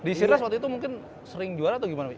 di sinerz waktu itu mungkin sering juara atau gimana